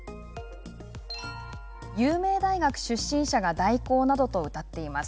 有名大学出身者が代行などとうたっています。